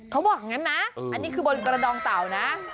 เขาบอกอย่างนั้นนะอันนี้คือบนกระดองเต่านะ